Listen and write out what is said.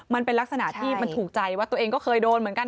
มันเป็นลักษณะที่มันถูกใจว่าตัวเองก็เคยโดนเหมือนกัน